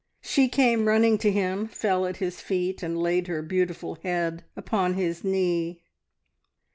She came running to him, fell at his feet, and laid her beautiful head upon his knee.